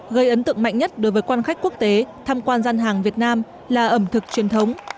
gây ấn tượng mạnh nhất đối với quan khách quốc tế tham quan gian hàng việt nam là ẩm thực truyền thống